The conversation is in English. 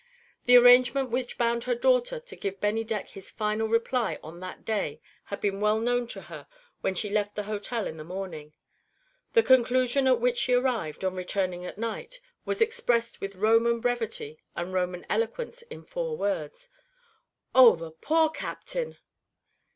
The arrangement which bound her daughter to give Bennydeck his final reply on that day had been well known to her when she left the hotel in the morning. The conclusion at which she arrived, on returning at night, was expressed with Roman brevity and Roman eloquence in four words: "Oh, the poor Captain!"